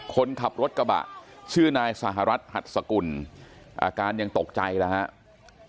คนขับรถกระบะชื่อนายสหรัฐหัดสกุลอาการยังตกใจแล้วครับ